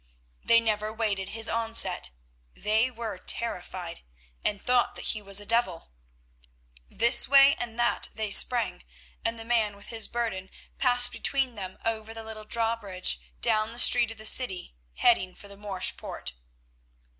They never waited his onset; they were terrified and thought that he was a devil. This way and that they sprang, and the man with his burden passed between them over the little drawbridge down the street of the city, heading for the Morsch poort.